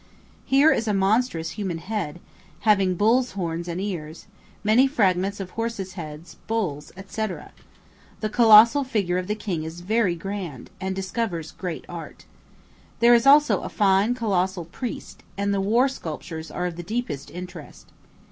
Here is a monstrous human head, having bull's horns and ears, many fragments of horses' heads, bulls, &c., &c. The colossal figure of the king is very grand, and discovers great art. There is also a fine colossal priest, and the war sculptures are of the deepest interest.